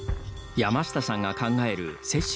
山下さんが考える雪舟